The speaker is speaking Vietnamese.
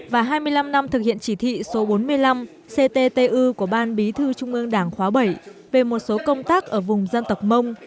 và hai mươi năm năm thực hiện chỉ thị số bốn mươi năm cttu của ban bí thư trung ương đảng khóa bảy về một số công tác ở vùng dân tộc mông